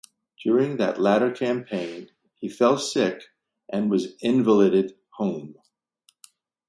During that latter campaign, he fell sick and was invalided home.